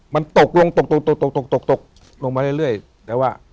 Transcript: มันตกตกตกมาเรื่อยแล้วอ่ะ